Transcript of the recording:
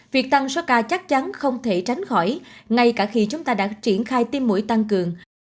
việc tăng số ca chắc chắn không thể tránh khỏi ngay cả khi chúng ta đã triển khai tiêm mũi tăng cường